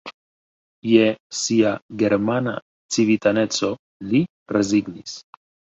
Je sia germana civitaneco li rezignis.